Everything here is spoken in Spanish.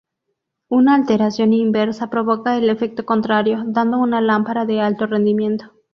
Una alteración inversa provoca el efecto contrario, dando una lámpara de alto rendimiento.